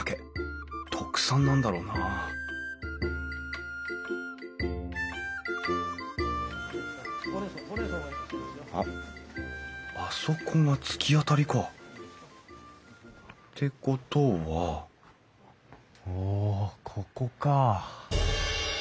特産なんだろうなあっあそこが突き当たりか。ってことはおここか。